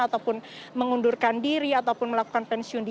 ataupun mengundurkan diri ataupun melakukan pensiun